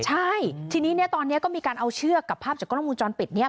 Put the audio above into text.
ใช่ทีนี้เนี่ยตอนนี้ก็มีการเอาเชือกกับภาพจากกล้องมูลจรปิดนี้